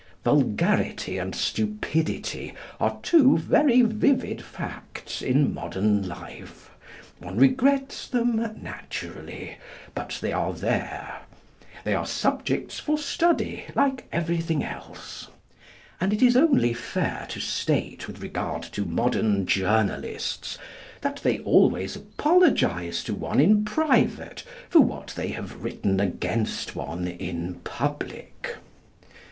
Vulgarity and stupidity are two very vivid facts in modern life. One regrets them, naturally. But there they are. They are subjects for study, like everything else. And it is only fair to state, with regard to modern journalists, that they always apologise to one in private for what they have written against one in public.